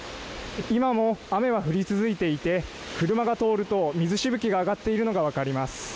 今も雨は降り続いていて車が通ると水しぶきが上がっているのが分かります。